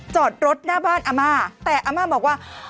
จอดรถหน้าบ้านอำมาตย์แต่อำมาตย์บอกว่า